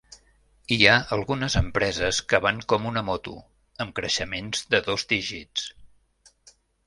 Hi ha algunes empreses que van com una moto, amb creixements de dos dígits.